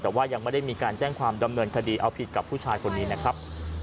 แต่ว่ายังไม่ได้มีการแจ้งความดำเนินคดีเอาผิดกับผู้ชายคนนี้นะครับ